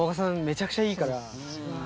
めちゃくちゃいいからうわ